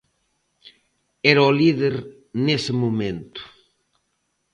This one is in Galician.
Era o líder nese momento.